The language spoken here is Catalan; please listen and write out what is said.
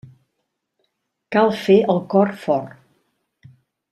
Cal fer el cor fort.